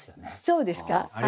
そうですか？